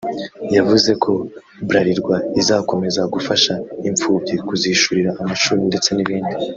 yavuze ko Bralirwa izakomeza gufasha impfubyi kuzishurira amashuri ndetse n’ibindi